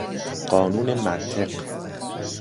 قانون منطق